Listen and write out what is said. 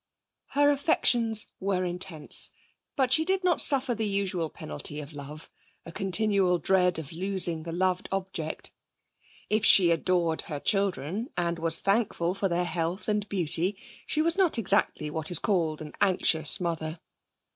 Her affections were intense, but she did not suffer the usual penalty of love a continual dread of losing the loved object. If she adored her children and was thankful for their health and beauty, she was not exactly what is called an anxious mother.